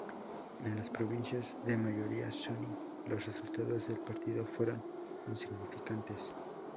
En las provincias de mayoría suní los resultados del partido fueron insignificantes.